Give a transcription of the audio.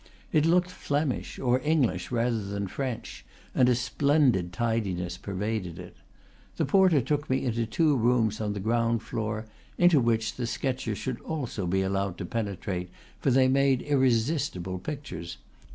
It looked Flemish or English rather than French, and a splendid tidiness pervaded it. The porter took me into two rooms on the ground floor, into which the sketcher should also be allowed to penetrate; for they made irresistible pictures.